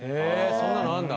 そんなのあんだ